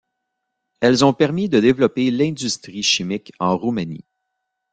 Elles ont permis de développer l'industrie chimique en Roumanie.